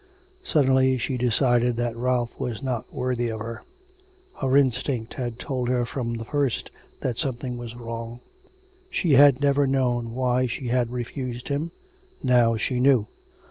Suddenly she decided that Ralph was not worthy of her. Her instinct had told her from the first that something was wrong. She had never known why she had refused him. Now she knew.